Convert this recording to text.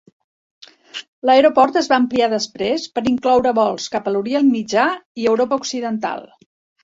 L'aeroport es va ampliar després per incloure vols cap a l'Orient Mitjà i Europa occidental.